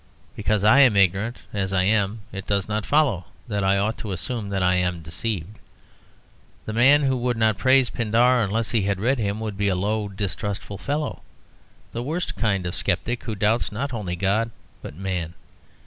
Because I am ignorant (as I am), it does not follow that I ought to assume that I am deceived. The man who would not praise Pindar unless he had read him would be a low, distrustful fellow, the worst kind of sceptic, who doubts not only God, but man.